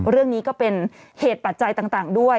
เรื่องนี้ก็เป็นเหตุปัจจัยต่างด้วย